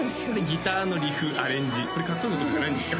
ギターのリフアレンジこれかっこいい言葉じゃないんですか？